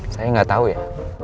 saya gak tau ya